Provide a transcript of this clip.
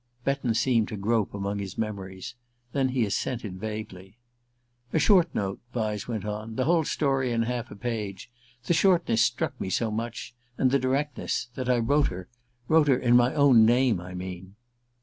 Betton seemed to grope among his memories; then he assented vaguely. "A short note," Vyse went on: "the whole story in half a page. The shortness struck me so much and the directness that I wrote her: wrote in my own name, I mean."